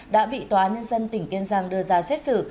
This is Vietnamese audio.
đã bị tòa nhân dân tỉnh kiên giang đưa ra xét xử